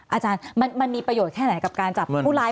อาจารย์มันมีประโยชน์แค่ไหนกับการจับผู้ร้าย